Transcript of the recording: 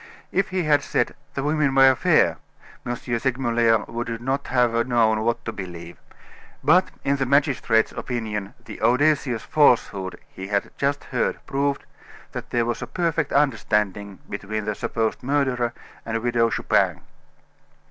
If he had said: "The women were fair," M. Segmuller would not have known what to believe, but in the magistrate's opinion the audacious falsehood he had just heard proved that there was a perfect understanding between the supposed murderer and Widow Chupin.